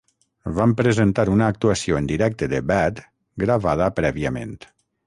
Van presentar una actuació en directe de "Bad" gravada prèviament.